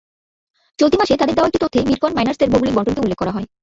চলতি মাসে তাদের দেয়া একটি তথ্যে বিটকয়েন মাইনারসদের ভৌগোলিক বণ্টনকে উল্লেখ করা হয়।